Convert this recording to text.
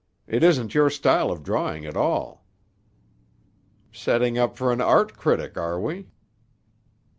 It isn't your style of drawing at all." "Setting up for an art critic, are we?"